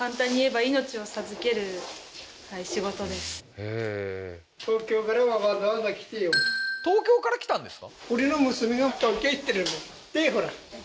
へえー東京から来たんですか？